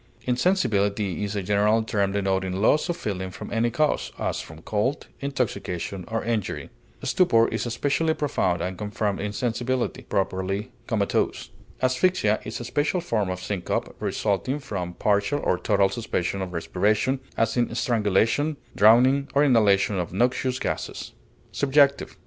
Insensibility is a general term denoting loss of feeling from any cause, as from cold, intoxication, or injury. Stupor is especially profound and confirmed insensibility, properly comatose. Asphyxia is a special form of syncope resulting from partial or total suspension of respiration, as in strangulation, drowning, or inhalation of noxious gases. SUBJECTIVE.